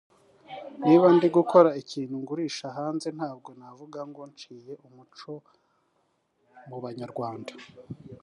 niba ndi gukora ikintu ngurisha hanze ntabwo navuga ngo nciye umuco mu banyarwanda